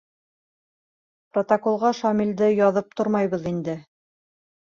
— Протоколға Шамилды яҙып тормайбыҙ инде.